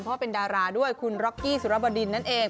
เพราะเป็นดาราด้วยคุณร็อกกี้สุรบดินนั่นเอง